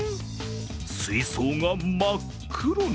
水槽が真っ黒に。